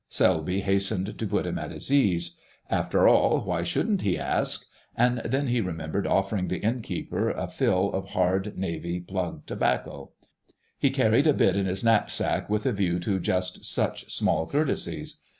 Selby hastened to put him at his ease. After all, why shouldn't he ask? And then he remembered offering the inn keeper a fill of hard, Navy plug tobacco. He carried a bit in his knapsack with a view to just such small courtesies.